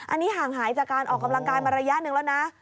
อันนี้ห่างหายจากการออกกำลังกายมาระยะหนึ่งแล้วนะ